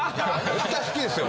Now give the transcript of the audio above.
絶対好きですよ